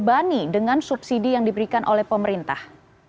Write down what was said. dibanding dengan subsidi yang diberikan oleh pemerintah